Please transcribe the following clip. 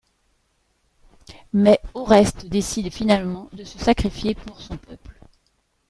Mais Oreste décide finalement de se sacrifier pour son peuple.